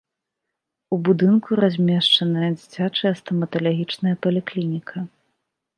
У будынку размешчаная дзіцячая стаматалагічная паліклініка.